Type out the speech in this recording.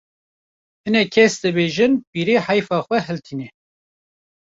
hinek kes dibêjin pîrê heyfa xwe hiltîne